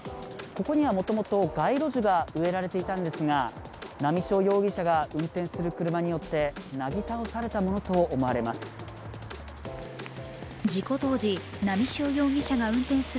ここにはもともと街路樹が植えられていたのですが波汐容疑者が運転する車によってなぎ倒されたものとみられます。